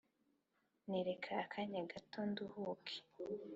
ntereka akanya gato nduhuka